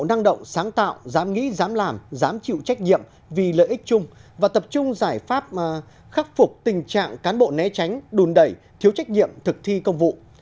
năng động sáng tạo dám nghĩ dám làm dám chịu trách nhiệm vì lợi ích chung và tập trung giải pháp khắc phục tình trạng cán bộ né tránh đùn đẩy thiếu trách nhiệm thực thi công vụ